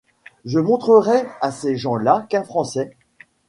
Je montrerai à ces gens-là qu’un Français